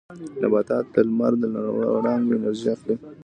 نباتات د لمر له وړانګو انرژي اخلي